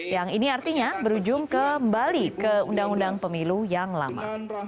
yang ini artinya berujung kembali ke undang undang pemilu yang lama